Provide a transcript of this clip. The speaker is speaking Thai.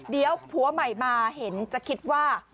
เดี๋ยวผัวใหม่มาเห็นจะคิดว่า